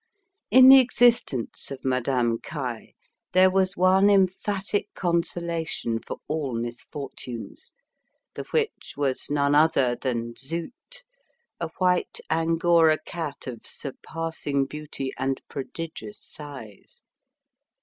In the existence of Madame Caille there was one emphatic consolation for all misfortunes, the which was none other than Zut, a white angora cat of surpassing beauty and prodigious size.